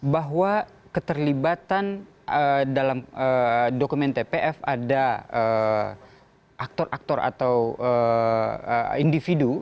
bahwa keterlibatan dalam dokumen tpf ada aktor aktor atau individu